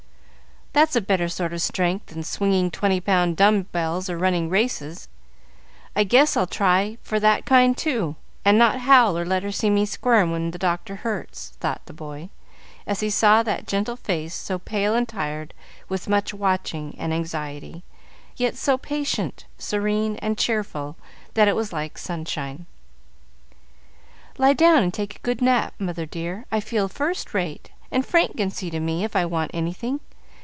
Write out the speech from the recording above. "That's a better sort of strength than swinging twenty pound dumb bells or running races; I guess I'll try for that kind, too, and not howl or let her see me squirm when the doctor hurts," thought the boy, as he saw that gentle face so pale and tired with much watching and anxiety, yet so patient, serene, and cheerful, that it was like sunshine. "Lie down and take a good nap, mother dear, I feel first rate, and Frank can see to me if I want anything.